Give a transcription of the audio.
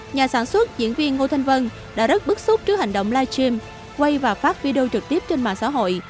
nhà sản xuất diễn viên ngô thanh vân đã rất bức xúc trước hành động live stream quay và phát video trực tiếp trên mạng xã hội